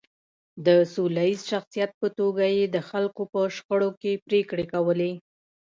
د سوله ییز شخصیت په توګه یې د خلکو په شخړو کې پرېکړې کولې.